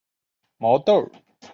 毛豆即为尚未成熟的食用大豆。